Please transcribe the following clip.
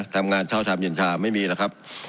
ทำงานเช้าชามเย็นชาไม่มีหรอกครับ